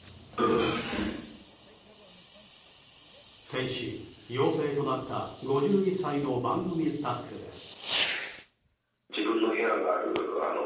先週、陽性となった５１歳の番組スタッフです。